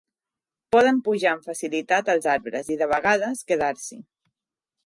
Poden pujar amb facilitat als arbres, i de vegades, quedar-s'hi.